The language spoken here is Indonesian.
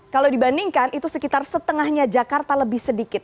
kalau dibandingkan itu sekitar setengahnya jakarta lebih sedikit